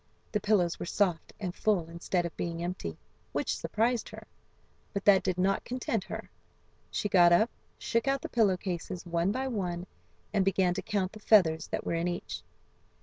The pillows were soft and full instead of being empty, which surprised her, but that did not content her. She got up, shook out the pillow cases one by one, and began to count the feathers that were in each.